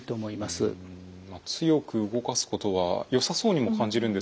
強く動かすことはよさそうにも感じるんですけれども。